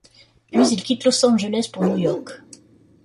Puis ils quittent Los Angeles pour New York.